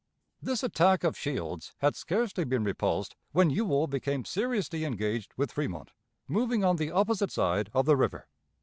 This attack of Shields had scarcely been repulsed when Ewell became seriously engaged with Fremont, moving on the opposite side of the river.